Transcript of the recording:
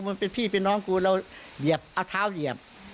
มันเป็นพี่เป็นน้องกูเราเหยียบเอาเท้าเหยียบ